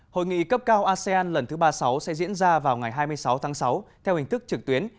hội nghị cấp cao asean lần thứ ba mươi sáu sẽ diễn ra vào ngày hai mươi sáu tháng sáu theo hình thức trực tuyến